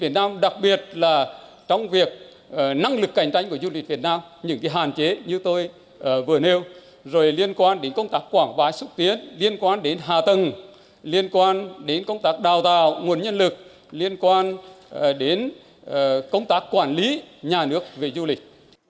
việt nam đặc biệt là trong việc năng lực cạnh tranh của du lịch việt nam những hạn chế như tôi vừa nêu rồi liên quan đến công tác quảng vại xúc tiến liên quan đến hạ tầng liên quan đến công tác đào tạo nguồn nhân lực liên quan đến công tác quản lý nhà nước về du lịch